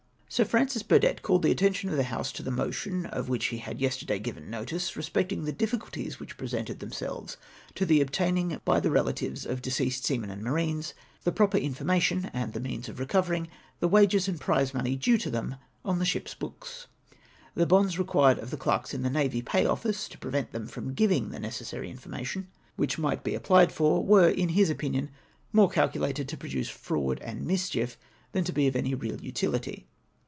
Sir Francis Burdett called tlie attention of the House to the motion, of which he had yesterday given notice, respecting the difficulties which presented themselves to the obtaining by the relatives of deceased seamen and marines the proper information and the means of reco vering the wages and prize money due to them on the ships' books. The bonds required of the clerks in the navy pay office, to prevent them from giving the necessary i^for * He liad just said there was a great imjirovenieiit in the con dition of the seamen. SIR FRAXCIS BURDETTS MOTIOxY. 297 mation, which might be applied for, were, in his opinion, more calculated to produce fraud and mischief than to he of any real utility.